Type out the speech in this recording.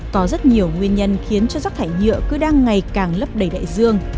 có rất nhiều nguyên nhân khiến cho rác thải nhựa cứ đang ngày càng lấp đầy đại dương